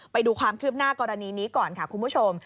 ไปดูความคืบหน้ากรณีนี้ก่อนค่ะคุณผู้ชม